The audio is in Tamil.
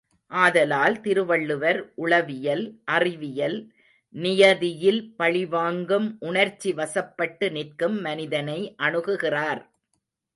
ஆதலால் திருவள்ளுவர் உளவியல் அறிவியல் நியதியில் பழிவாங்கும் உணர்ச்சிவசப்பட்டு நிற்கும் மனிதனை அணுகுகிறார்.